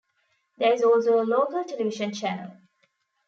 There is also a local television channel.